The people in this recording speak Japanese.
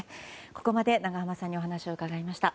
ここまで永濱さんにお話を伺いました。